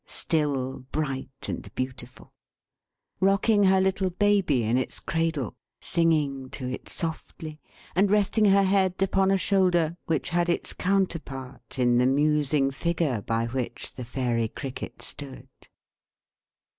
Still bright and beautiful. Rocking her little Baby in its cradle; singing to it softly; and resting her head upon a shoulder which had its counterpart in the musing figure by which the Fairy Cricket stood.